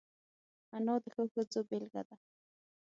انا د ښو ښځو بېلګه ده